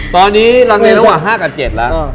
ตอนนี้ลังเลระหว่าง๕กับ๗แล้ว